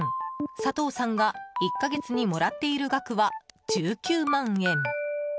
佐藤さんが、１か月にもらっている額は１９万円。